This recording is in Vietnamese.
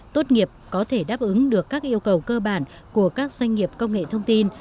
tốt nghiệp có thể đáp ứng được các yêu cầu cơ bản của các doanh nghiệp công nghệ thông tin